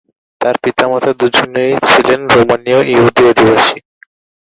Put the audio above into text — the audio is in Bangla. তার পিতামাতা দুজনেই ছিলেন রোমানীয় ইহুদি অভিবাসী।